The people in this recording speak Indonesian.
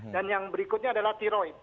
dan yang berikutnya adalah tiroid